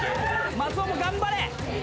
松尾も頑張れ。